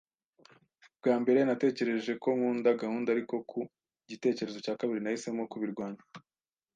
Ubwa mbere natekereje ko nkunda gahunda, ariko ku gitekerezo cya kabiri nahisemo kubirwanya.